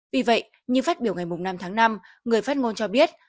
phát biểu ngày năm tháng năm người phát ngôn cho biết